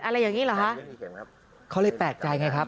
อะไรอย่างนี้เหรอฮะเขาเลยแปลกใจไงครับ